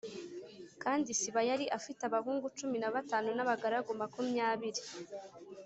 Kandi Siba yari afite abahungu cumi na batanu n’abagaragu makumyabiri.